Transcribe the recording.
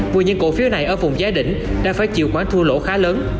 vì những cổ phiếu này ở vùng giá đỉnh đã phải chịu quán thua lỗ khá lớn